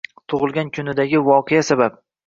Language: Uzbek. Tug`ilgan kunidagi voqea sabab